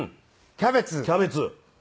キャベツ。